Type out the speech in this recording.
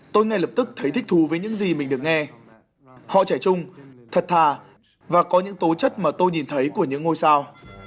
tôi ngay lập tức thấy thích thú với những gì mình được nghe họ trẻ trung thật thà và có những tố chất mà tôi nhìn thấy của những ngôi sao